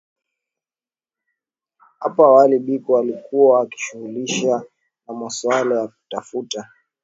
Hapo awali Biko alikuwa akijishughulisha na masuala ya kutafuta